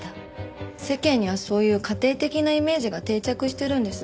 世間にはそういう家庭的なイメージが定着してるんです。